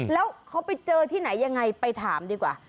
แล้วเขาไปเจอที่ไหนยังไงไปถามดีกว่า